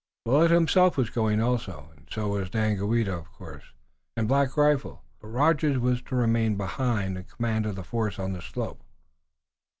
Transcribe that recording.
Willet himself was going also, and so was Daganoweda, of course, and Black Rifle, but Rogers was to remain behind, in command of the force on the slope.